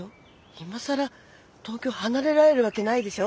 今更東京離れられるわけないでしょ。